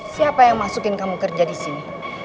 siapa yang masukin kamu kerja disini